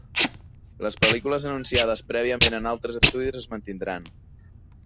Les pel·lícules anunciades prèviament en altres estudis es mantindran.